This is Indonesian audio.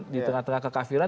di tengah tengah kekafiran